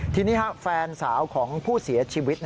ทีนี้แฟนสาวของผู้เสียชีวิต